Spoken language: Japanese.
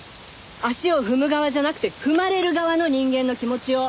足を踏む側じゃなくて踏まれる側の人間の気持ちを。